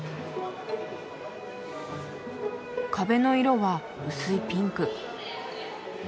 壁の色は薄いピンク。